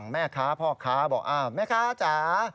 แม่ค้าพ่อค้าบอกแม่ค้าจ๋า